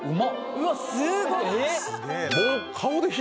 うわっすごっ！